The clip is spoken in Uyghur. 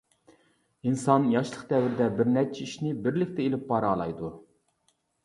ئىنسان ياشلىق دەۋرىدە بىر نەچچە ئىشنى بىرلىكتە ئېلىپ بارالايدۇ.